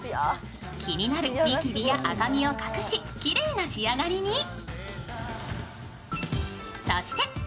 気になるにきびや赤みを隠し、きれいな仕上がりに。